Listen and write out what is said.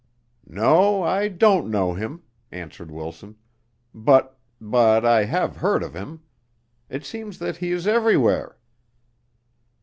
"No, I don't know him," answered Wilson, "but but I have heard of him. It seems that he is everywhere."